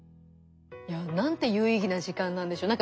いやなんて有意義な時間なんでしょう。